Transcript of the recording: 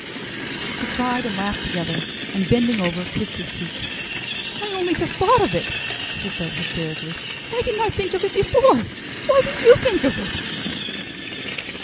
She cried and laughed together, and bending over, kissed his cheek. "I only just thought of it," she said, hysterically. "Why didn't I think of it before? Why didn't you think of it?"